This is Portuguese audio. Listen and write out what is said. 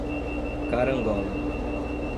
Carangola